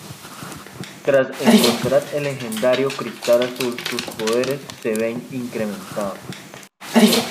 Tras encontrar el legendario Cristal Azul sus poderes se ven incrementados.